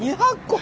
２００個！？